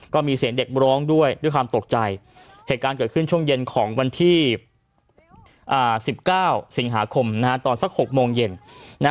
ก็มีเสียงเด็กร้องด้วยด้วยความตกใจเหตุการณ์เกิดขึ้นช่วงเย็นของวันที่๑๙สิงหาคมตอนสัก๖โมงเย็น